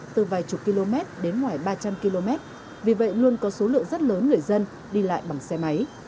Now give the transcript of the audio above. từ vài chục km đến ngoài ba trăm linh km vì vậy luôn có số lượng rất lớn người dân đi lại bằng xe máy